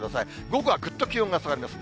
午後はぐっと気温が下がります。